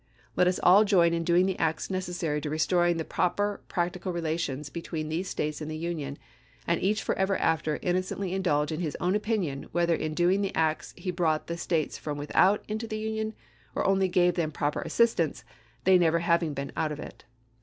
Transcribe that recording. Let us all join in doing the acts necessary to restoring the proper practical relations between these States and the Union, and each forever after innocently indulge his own opinion whether in doing the acts he brought the States from without into the Union, or only gave them proper assistance, they never having been out of it.